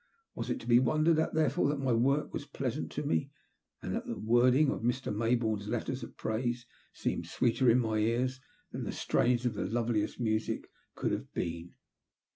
Was it to be wondered at therefore that my work was pleasant to me and that the wording of Mr. May bourne's letters of praise seemed sweeter in my ears than the strains of the loveliest music could have been.